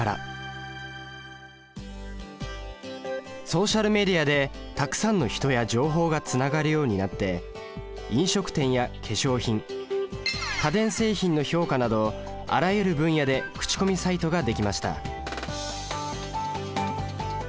ソーシャルメディアでたくさんの人や情報がつながるようになって飲食店や化粧品家電製品の評価などあらゆる分野でクチコミサイトが出来ました。